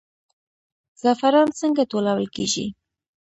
زعفران څنګه ټولول کیږي؟